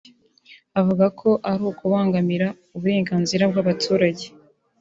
ivuga ko ari ukubangamira uburenganzira bw’abaturage